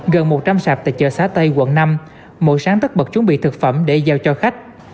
gần một trăm linh sạp tại chợ xá tây quận năm mỗi sáng tất bật chuẩn bị thực phẩm để giao cho khách